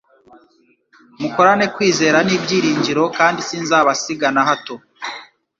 Mukorane kwizera n'ibyiringiro kandi sinzabasiga na hato.